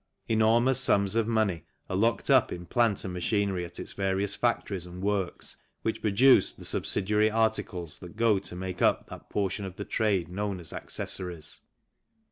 Enormous sums of money are locked up in plant and machinery at its various factories and works which produce the subsidiary articles that go to make up that portion of the trade known as accessories.